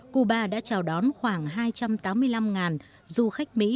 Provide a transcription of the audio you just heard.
cuba đã chào đón khoảng hai trăm tám mươi năm du khách mỹ